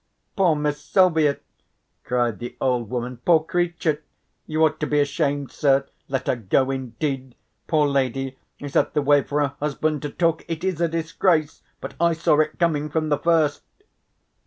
"Poor Miss Silvia!" cried the old woman, "Poor creature! You ought to be ashamed, sir! Let her go indeed! Poor lady, is that the way for her husband to talk! It is a disgrace. But I saw it coming from the first."